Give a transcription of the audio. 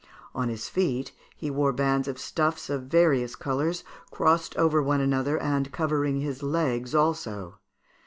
On his feet he wore bands of stuffs of various colours, crossed over one another, and covering his legs also.